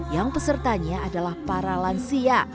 yang pesertanya adalah para lansia